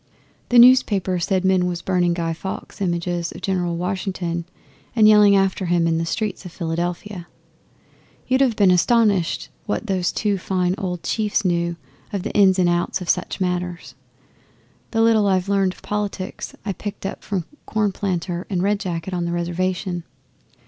The newspaper said men was burning Guy Fawkes images of General Washington and yelling after him in the streets of Philadelphia. You'd have been astonished what those two fine old chiefs knew of the ins and outs of such matters. The little I've learned of politics I picked up from Cornplanter and Red Jacket on the Reservation.